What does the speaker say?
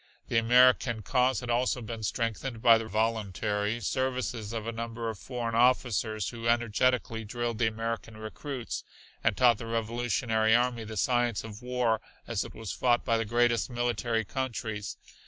The American cause had also been strengthened by the voluntary services of a number of foreign officers, who energetically drilled the American recruits and taught the revolutionary army the science of war as it was fought by the greatest military countries.